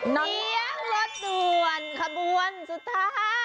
เลี้ยงรถด่วนขบวนสุดท้าย